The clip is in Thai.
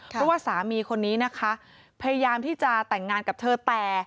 เพราะว่าสามีคนนี้นะคะพยายามที่จะแต่งงานกับเธอแต่